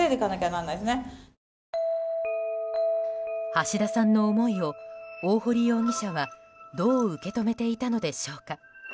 橋田さんの思いを大堀容疑者はどう受け止めていたのでしょうか。